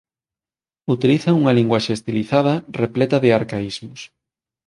Utiliza unha linguaxe estilizada repleta de arcaísmos.